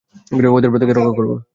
ওদের প্রত্যেককে রক্ষা করবো!